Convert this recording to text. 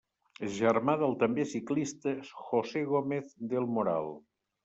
És germà del també ciclista José Gómez del Moral.